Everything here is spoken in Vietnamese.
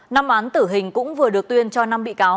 năm án tử hình cũng vừa được tuyên cho năm bị cáo